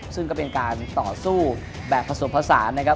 ซึ่งก็เป็นการต่อสู้แบบผสมผสานนะครับ